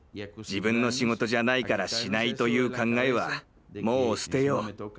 自分の仕事じゃないからしないという考えはもう捨てよう。